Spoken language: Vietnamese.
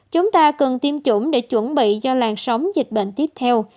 chúng ta cần tiêm chủng để chuẩn bị cho làn sóng dịch bệnh tiếp theo